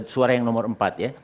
suara yang nomor empat ya